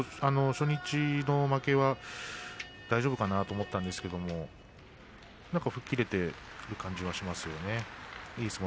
初日の負けは大丈夫かなと思ったんですが何か吹っ切れている感じはしますね。